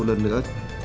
một lần nữa